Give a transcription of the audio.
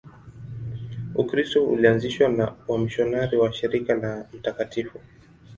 Ukristo ulianzishwa na wamisionari wa Shirika la Mt.